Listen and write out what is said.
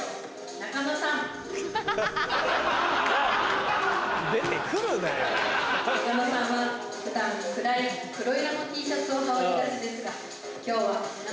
中野さんは普段暗い黒色のＴシャツを羽織りがちですが今日は。